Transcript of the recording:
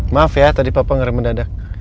maaf ya tadi papa ngeramu dada